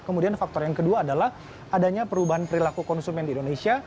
kemudian faktor yang kedua adalah adanya perubahan perilaku konsumen di indonesia